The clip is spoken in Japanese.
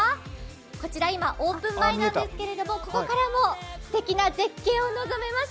こちら今、オープン前なんですけども、ここからもすてきな絶景を望めます。